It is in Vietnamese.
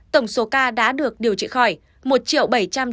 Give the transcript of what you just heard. tổng số ca đã được điều trị khỏi một bảy trăm chín mươi bốn chín trăm hai mươi bốn ca